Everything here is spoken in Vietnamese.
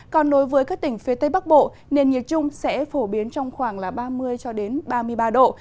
còn đối với các tỉnh phía tây bắc bộ nền nhiệt chung sẽ phổ biến trong khoảng ba mươi ba mươi ba độ